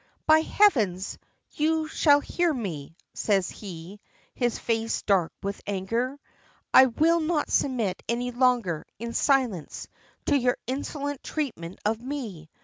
"By heavens! you shall hear me," says he, his face dark with anger. "I will not submit any longer, in silence, to your insolent treatment of me.